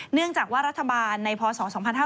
เนื่องจากว่ารัฐบาลในพศ๒๕๕๙